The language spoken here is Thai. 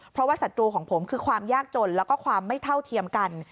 เพราะว่าศัตรูของผมคือความยากจนแล้วก็ความไม่เท่าเทียมกัน